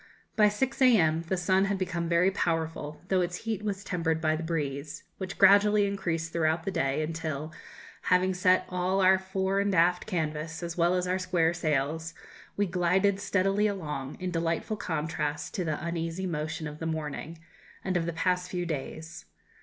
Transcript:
By 6 a.m. the sun had become very powerful, though its heat was tempered by the breeze, which gradually increased throughout the day, until, having set all our fore and aft canvas, as well as our square sails, we glided steadily along, in delightful contrast to the uneasy motion of the morning, and of the past few days.